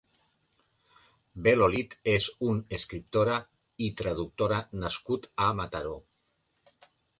Bel Olid és un escriptora i traductora nascut a Mataró.